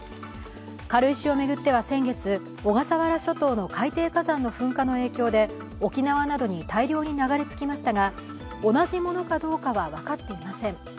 軽石を巡っては先月、小笠原諸島の海底火山の噴火の影響で沖縄などに大量に流れ着きましたが同じものかどうかは分かっていません。